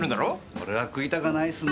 俺は食いたかないですね